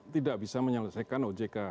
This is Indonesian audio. tidak bisa menyelesaikan ojk